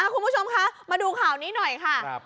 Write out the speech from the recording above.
คุณผู้ชมคะมาดูข่าวนี้หน่อยค่ะ